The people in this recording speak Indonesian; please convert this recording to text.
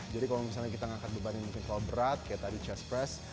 jadi kalau misalnya kita mengangkat beban yang mungkin terlalu berat kayak tadi chest press